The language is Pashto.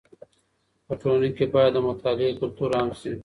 په ټولنه کي بايد د مطالعې کلتور عام سي.